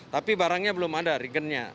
tapi barangnya belum ada regennya